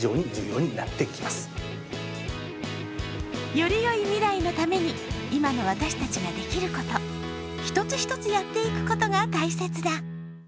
よりよい未来のために、今の私たちができること、一つ一つやっていくことが大切だ。